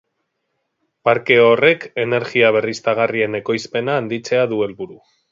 Parke horrek energia berriztagarrien ekoizpena handitzea du helburu.